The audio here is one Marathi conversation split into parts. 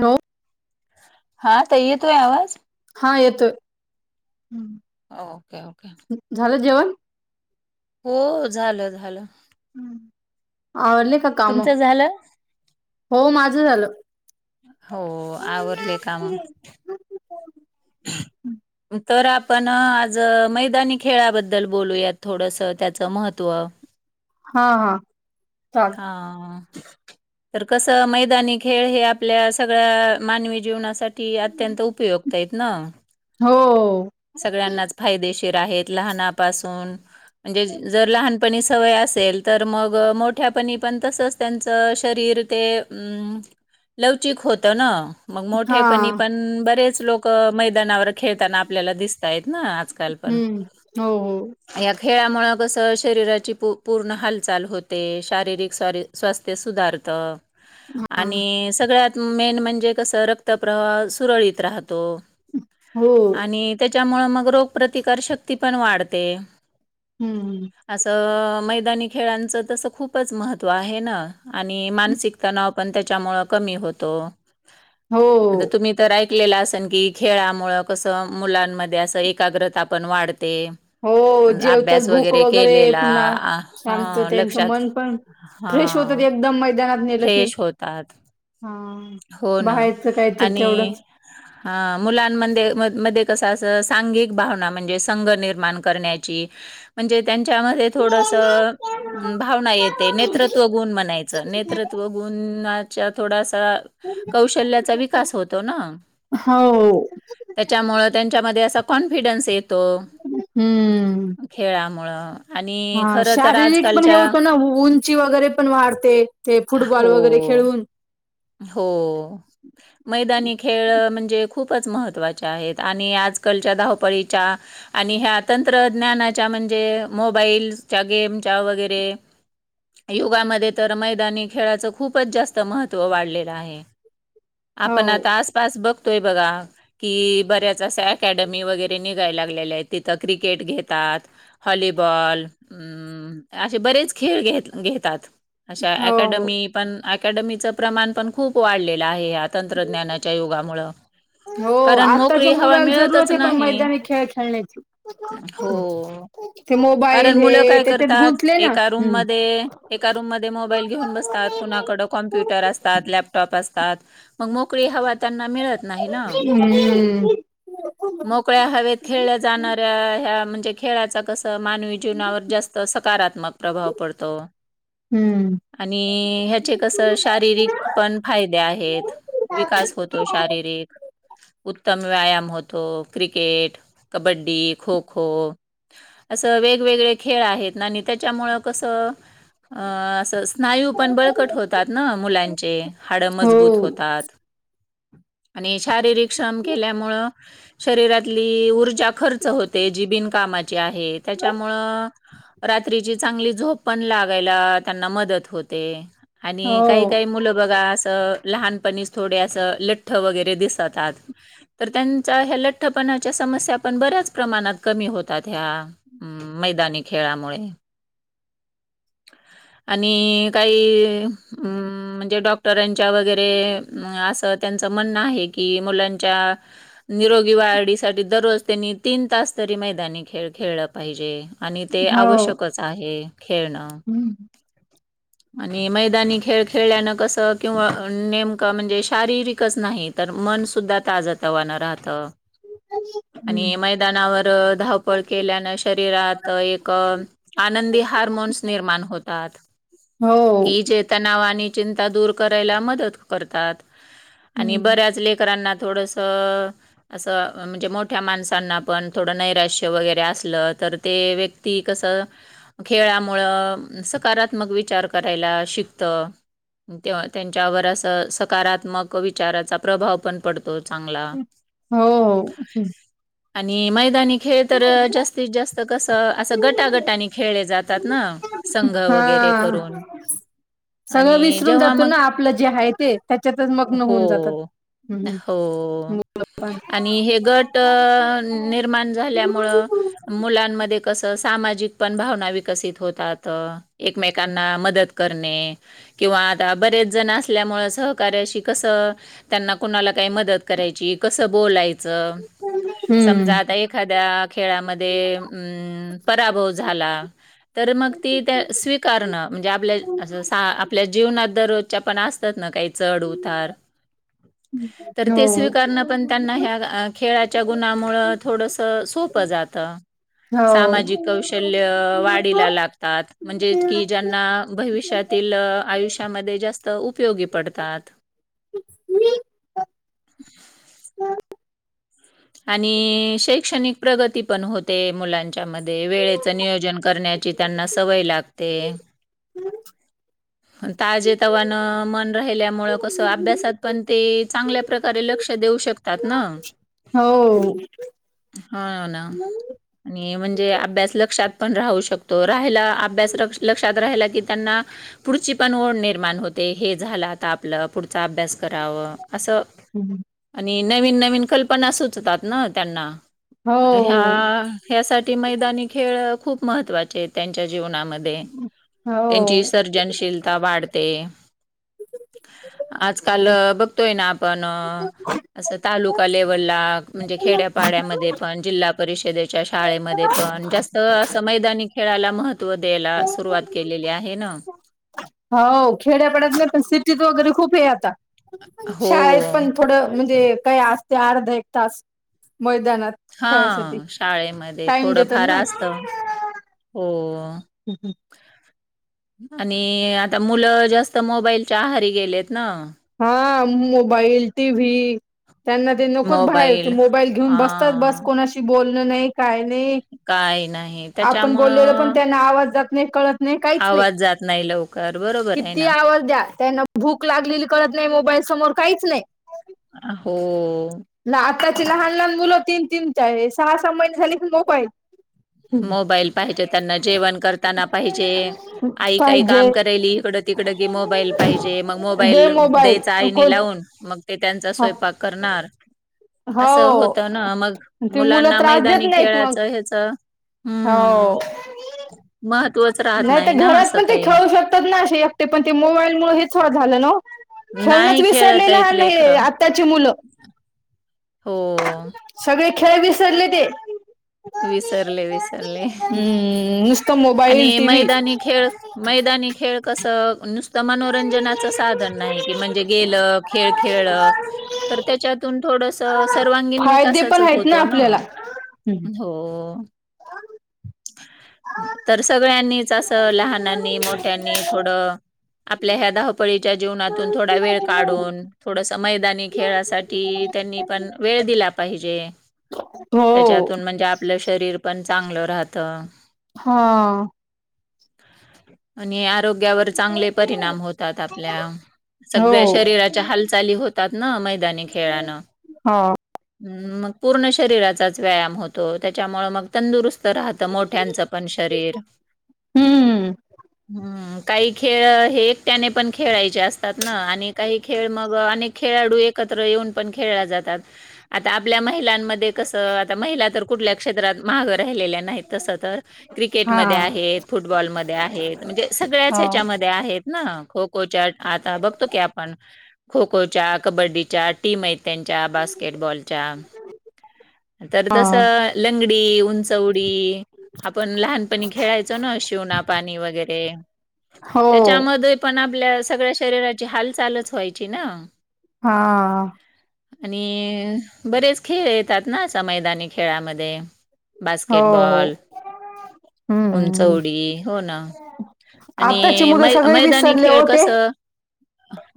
हॅलो. हां. आता ‌येतोय आवाज. हां. येतोय हम्म. Okay okay. ‌ झालं जेवण. हो झालं झालं. आवरली का काम? तुमचं झालं? हो माझं झालं. हो. आवरले काम. तर आपण आज मैदानी खेळाबद्दल बोलूयात, थोडंसं त्याचं महत्त्व. हां हां. चालतय. हा तर कसं मैदानी खेळ हे, आपल्या सगळ्या मानवी जीवनासाठी अत्यंत उपयुक्त. तेच ना. हो.. सगळ्यांनाच फायदेशीर आहेत लहानापासून, म्हणजे जर लहान. पणी सवय असेल तर मग मोठ्यापणी, पण तसंच त्यांच शरीर ते. अं... लवचिक होत ना, मग हा मोठेपणी पण बरेच लोक मैदानावर खेळतात. आपल्याला दिसताय ना, आजकाल पण. हम्म हो हो या खेळामुळे कस शरीराची पूर्ण हालचाल होते. शारीरिक स 'स्वास्थ्य सुधारतं. हा आणि सगळ्यात मेन म्हणजे कसं, रक्तप्रवाह सुरळीत राहतो. हो. आणि त्याच्यामुळे मग, रोग प्रतिकार शक्ती पण वाढते. हम्म. असो, मैदानी खेळांचं तसं खूपच महत्त्व आहे ना आणि मानसिक तणाव. पण त्यांच्यामुळे कमी होतो, हो आता तुम्ही. तर ऐकलेलं असेन की, खेळामुळं कसं मुलांमध्ये असं एकाग्रता पण वाढते. हो, जेवतात अभ्यास भूक वगैरे केलेला पुन्हा, आ, शांत हा त्यांचं लक्षात मन पण. हा फ्रेश होतात, एकदम मैदानात नेलं की फ्रेश होतात. हा. हो बाहेरचं काहीतरी तेवढंच. हा मुलांमध्ये मध्ये कस, अस सांघिक भावना म्हणजे, संघ निर्माण करण्याची. ची म्हणजे, त्यांच्यामध्ये थोडंसं. भावना येते नेतृत्वगुण, म्हणायचं नेतृत्वगुणा. थोडासा कौशल्याचा, विकास होतो ना. हो त्यांच्यामुळे त्यांच्यामध्ये, असा कॉन्फिडन्स येतो. हम्म. खेळामुळं आणि हा खरं तर शारीरिक पण हे आजकालच्या होतं, ना उंची वगैरे. पण वाढते, ते फुटबॉल हो, वगैरे खेळून. हो.. मैदानी खेळ म्हणजे, खूपच महत्वाचे, आहेत आणि आजकालच्या, धावपळीच्या. आणि, ह्या तंत्रज्ञानाच्या, म्हणजे मोबाईलच्या गेमच्या वगैरे. युगामध्ये, तर मैदानी खेळाचं खूपच जास्त महत्त्व वाढलेलं आहे. आपण हो आता, आसपास बघतोय बघा. कि बऱ्याच अशा अकॅडमी वगैरे निघायला लागलेल्या आहेत, तिथं क्रिकेट घेतात. हॉलीबॉल अं.. असे बरेच खेळ घेत- घेतात. अशा हो अकॅडमी हो पण अकॅडमीचं प्रमाण पण, खूप वाढलेलं ह्यात. तंत्रज्ञानाच्या युगामुळं. हो. कारण मोकळी आताच्या हवा मुलाला मिळतच जरूरत आहे, पण नाही मैदानी खेळ खेळण्याची. हो ते कारण मोबाईल मुलं हे काय त्याच्यात करतात, गुंतले ना एका रूम हम्म मध्ये एका रूम मध्ये मोबाईल घेऊन बसतात कुणाकडं. कॉम्प्युटर अस त्यात लॅपटॉप असतात, मग मोकळी हवा त्यांना मिळत नाही ना? हम्म मोकळ्या हवेत खेळल्या जाणाऱ्या, ह्या म्हणजे खेळाचा कसं मानवी. जीवनावर जास्त सकारात्मक प्रभाव पडतो. हम्म आणि ह्याचे कसं, शारीरिक पण फायदे आहेत. विकास होतो शारीरिक. उत्तम व्यायाम होतो, क्रिकेट कबड्डी खो खो. असं वेगवेगळे खेळ आहेत ना, आणि त्याच्यामुळं कसं अ असं. स्नायू पण बळकट होतात ना, मुलांचे हाडं हो मजबूत होतात. आणि शारीरिक श्रम केल्यामुळं, शरीरातली ऊर्जा खर्च होते, जी बिनकामाची आहे‌. तेच्यामुळं, रात्रीची, चांगली झोप पण लागायला, त्यांना मदत होते. हो आणि काही काही मुलं बघा असं, लहानपणीच थोडे असं, लठ्ठ वगैरे दिसतात. तर त्यांच्या ह्या लठ्ठपणाच्या समस्या, पण बऱ्याच प्रमाणात कमी होतात ह्या. हम्म. मैदानी खेळामुळे, आणि काही हम. म्हणजे डॉक्टरांच्या वगैरे, असं त्यांचं म्हणणं आहे की मुलांच्या. निरोगी वाढसाठी दररोज त्यांनी तीन तास तरी मैदानी खेळ खेळ. पाहिजे, आणि ते हो आवश्यकच आहे खेळणं. हम्म आणि मैदानी खेळ खेळल्यानं कसं, किंवा नेमकं म्हणजे शारीरिकच नाहीत. तर मन सुुद्धा ताज तवानं राहतं. आणि मैदानावर धावपळ केल्यानं. त्यात एक, आनंदी हार्मोन्स निर्माण होतात. हो जे तणाव आणि चिंता दूर, करायला मदत करतात. आणि हम्म बऱ्याच लेकरांना थोडंसं. तर असं म्हणजे, मोठ्या माणसांना पण थोडं नैराश्य वगैरे असलं. तर ते व्यक्ती कसं. खेळामुळं सकारात्मक विचार करायला शिकत. तेव्हा त्यांच्यावर असं, सकारात्मक विचारांचा प्रभाव पण पडतो. चांगला, हो आणि मैदानी खेळ तर जास्त. जास्तीत जास्त कसं असं, गटागटानी खेळले जातात ना, संघ हा वगैरे करून. सगळं आणि विसरून जेव्हा जातो मग ना, आपलं जे आहे ते त्याच्यातच मग्न होऊन हो जातांत. हो, आणि हे गट निर्माण झाल्या. मग मुलांमध्ये कसं, सामाजिक पण भावना विकसित होतात. एकमेकांना मदत करणे. किंवा आता बरेच जण, असल्यामुळे सहकार्याशी कसं. त्यांना कुणाला काही मदत करायची कसं बोलायचं. ज समजा हम्म आता एखाद्या खेळामध्ये, ते अं पराभव झाला. तर मग ते त्या स्वीकारणं म्हणजे, आपल्या असं आपल्या जीवनात दर त्यांच्या पण असतात ना, काही चढ उतार. [unintelligible] तर ते स्वीकारणं पण त्यांना हो ह्या, खेळाच्या गुणांमुळं थोडंसं सोपं जात. तं. हो सामाजिक कौशल्य हो वाढीला लागतात, म्हणजे की ज्यांना भविष्यात. तील आयुष्यामध्ये जास्त उपयोगी पडतात. मी. आणि शैक्षणिक प्रगती पण, होते मुलांन तेच्यामध्ये वेळेच नियोजन करण्याची, त्यांना सवय लागते. हम [unintelligible] ताज तवान मन राहिल्यामुळे कसं अभ्यासात पण ते चांगल्या प्रकारे लक्ष देऊ शकतात ना. हो. हो ना आणि म्हणजे अभ्यास लक्षात पण राहू शकतो राहायला. अभ्यास लक्षात राहिला की त्यांना पुढची पण ओढ निर्माण होते हे झालं आता आपलं पुढचा अभ्यास कराव असं आणि नवीन नवीन, कल्पना सुचतात ना त्यांना. ह्या हो ह्यासाठी मैदानी खेळ खूप, महत्वाचे आहेत त्यांच्या जीवनामध्ये. तेनची हो विसर्जन श तिलता वाढते, आज‌ काल. तोय ना आपण असं तालुका लेव्हलला म्हणजे, खेड्यापाड्यामध्ये पण, जिल्हा परिषदेच्या शाळेमध्ये पण जास्त. असं मैदानी खेळाला महत्त्व द्यायला सुरुवात केलेली, आहे ना. हो.. खेड्यापाड्यातलं तर, आज सिटीत वगैरे खूप है आता. हो. शाळेत पण थोडं म्हणजे काही असते अर्ध एक तास मैदानात हा खेळायसाठी शाळेमध्ये टाइम थोडं देतात फार ना असत. हो. हम् हम. आणि आता मुलं जास्त मोबाईलच्या, आहारी गेलेत ना. हां मोबाईल टी व्ही त्यांना. ते नकोच बाहेर ते मोबाईल मोबाईल घेऊन बसतात बस हां, कोणाशी बोलणं नाही काय नाही. काही नाही. आपण बोलेल पण त्याच्यामुळं त्यांना, आवाज जात नाही कळत. नाही काहीच नाही, आवाज जात नाही लवकर. बरोबर आहे किती ना. आवाज द्या त्यांना. भूक लागलेली कळत नाही, मोबाईल समोर काहीच नाही. अ हो. ना आत्ताची लहान लहान मुलं तीन तीन चार सहा सहा महिने झाली प मोबाईल मोबाईल पाहिजे त्यांना. जेवण करताना पाहिजे, आई काही पाहिजे काम कराली इकड. तिकडं की मोबाईल पाहिजे मग, दे मोबाईल मोबाईल द्यायचा आईनी कोण लावून. मग ते त्यांचा स्वयंपाक करणार. असं होत हो ना मग ते मुलं मुलांना त्रास देत मैदानी नाहीत मग खेळायचं ह्याचं हो महत्त्वच राहत नाही तर ना घरात असं पण ते काही खाऊ शकतात ना अे ते पण ते मोबाईलमुळं हेच हो झालं ना‌ ओ, खेळणच, नाही खेळत विसरलेलं आहेत हान हे लेकरं आत्ताची मुलं. हो.. सगळे खेळ विसरले ते. विसरले विसरले, हम्म नुसतं आणि मोबाईल टीव्ही मैदानी खेळ मैदानी खेळ कसं नुसतं मनोरंजनाचं साधन नाही की म्हणजे गेलं खेळ खेळ तर त्याच्यातून थोडस सर्वांगीण फायदे विकासाच पण आहेत होतो ना? आपल्याला हो.. तर सगळ्यांनीच असं, लहानांनी मोठ्यांनी थोडं. आपल्या ह्या धावपळीच्या, जीवनातून थोडा वेळ काढून. थोडस मैदानी खेळासाठी त्यांनी पण वेळ दिला पाहिजे. हो. त्याच्यातून म्हणजे आपलं शरीर पण चांगल राहत. हा. आणि आरोग्यावर चांगले परिणाम होतात, आपल्या. हो सगळ्या शरीराच्या हालचाली होतात ना, मैदानी खेळाानं. हो.. मग पूर्ण शरीराचाच व्यायाम होतो त्याच्यामुळे मग, तंदुरुस्त राहतं मोठ्यांचं आपण शरीर हम्म हम्म काही खेळ हे एकट्याने पण खेळायचे असतात ना आणि काही खेळ मग अनेक खेळाडू एकत्र येऊन पण खेळल्या जातात. आता आपल्या महिलांमध्ये कसं? महिला कुठल्याक क्षेत्रात मागे राहिलेल्या. नाही तसं तर क्रिकेट हा मध्ये आहेत, फुटबॉलमध्ये आहेत, म्हणजे सगळ्याच हो हच्यामध्ये. ते आहेत ना, खो खो चाट, आता बघतो की आपण खो खो च्या, कबड्डीच्या, टीम आहेत त्यांच्या बास्केटबॉल. चाय तर हा तस लंगडी, उंचउडी, आपण लहानपणी खेळायचो ना, शिवणा पाणी वगैरे हो त्याच्यामध्ये. पण, आपल्या सगळ्या शरीराची हालचालच व्हायची ना. हा.. आणि.. बरेच खेळ येतात ना, असा मैदानी खेळामध्ये. हो बास्केटबॉल, हो हम्म उंचवडी हो ना. आणि, आताची मुलं मै सगळे मैदानी विसरले खेळ हो ते कस?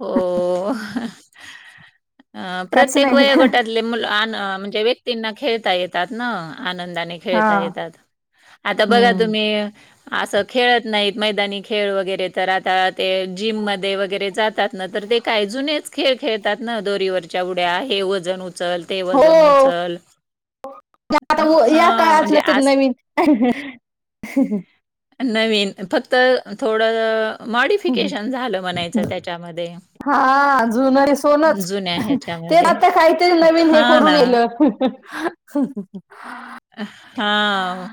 हो, काहीच प्रत्येक नाही वयोगटात अन् म्हणजे व्यक्तींना खेळता येतात ना, आनंदाने हा येता येतात, आता बघा हम्म तुम्ही्. असं खेळत नाहीत. मैदानी खेळ वगैरे, तर, आता ते जिम मध्ये वगैरे, जातात ना तर ते काही जुनेच. खेळ खेळतात ना, दोरीवरच्या उड्या, हे वजन उचल, ते हो वजन उचल. [unintelligible] या हां, म्हणजे काळातलं तर आज नवीन. नवीन फक्त थोडं मॉडिफिकेशन झालं म्हणायचं त्याच्यामध्ये. हा... जुनं हे सोनंच जुन्या हं तेच ह्याच्यामध्ये. आता मातीत. ते नवीन हे हां करून ना. इलय. हा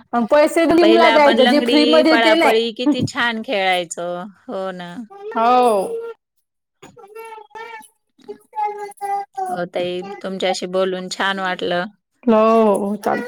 जिमला पहिला आपण जायचं जे लंगडी, फ्री मध्ये ते नाही पळापळी किती छान! छान खेळायचो, हो ना. हो... हो, ताई तुमच्याशी बोलून छान वाटलं. हो हो चाल